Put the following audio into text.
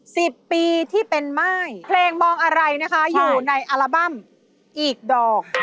สิบปีที่เป็นม่ายเพลงมองอะไรนะคะอยู่ในอัลบั้มอีกดอก